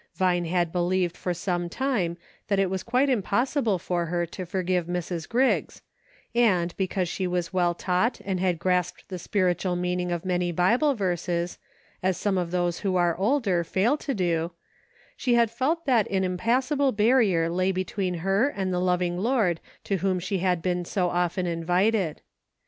Vine had believed for some time that it was quite impossible for her to forgive Mrs. Griggs, and, because she was well taught and had grasped the spiritual meaning of many Bible verses, as some of those who are older, fail to do, she had felt that an impassable barrier lay between her and the lov ing Lord to whom she had been so often invited.